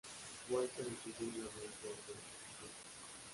Walker estudió en la Universidad de Cambridge.